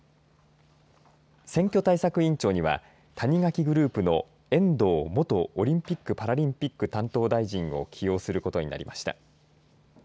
選挙対策委員長には谷垣グループの遠藤元オリンピック・パラリンピック担当大臣を起用することになりました。